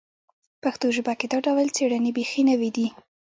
په پښتو ژبه کې دا ډول څېړنې بیخي نوې دي